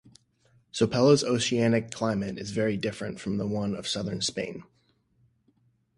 Sopela's oceanic climate is very different from the one of southern Spain.